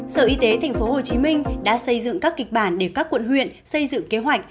sở y tế tp hcm đã xây dựng các kịch bản để các quận huyện xây dựng kế hoạch